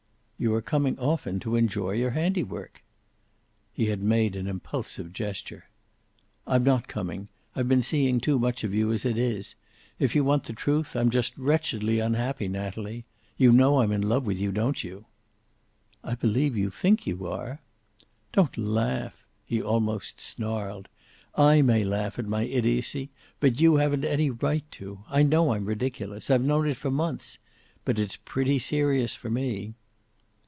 "You are coming often to enjoy your handiwork?" He had made an impulsive gesture. "I'm not coming. I've been seeing too much of you as it is. If you want the truth, I'm just wretchedly unhappy, Natalie. You know I'm in love with you, don't you?" "I believe you think you are." "Don't laugh." He almost snarled. "I may laugh at my idiocy, but you haven't any right to. I know I'm ridiculous. I've known it for months. But it's pretty serious for me."